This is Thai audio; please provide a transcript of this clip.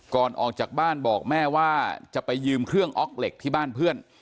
ก่อนออกจากบ้านบอกแม่ว่าจะไปยืมเครื่องออกเหล็กที่บ้านเพื่อน